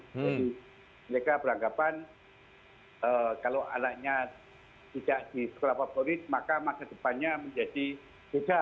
jadi mereka beranggapan kalau adanya tidak di sekolah favorit maka masa depannya menjadi beda